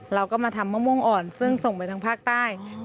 เราก็มาทำมะม่วงอ่อนซึ่งส่งไปทางภาคใต้